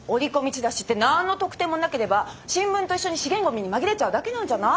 チラシってなんの特典もなければ新聞と一緒に資源ごみに紛れちゃうだけなんじゃない？